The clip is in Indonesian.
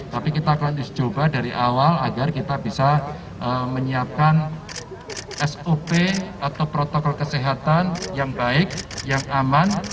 tapi kita akan uji coba dari awal agar kita bisa menyiapkan sop atau protokol kesehatan yang baik yang aman